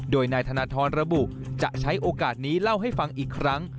โดยนายธนทรระบุจะใช้โอกาสนี้เล่าให้ฟังอีกครั้ง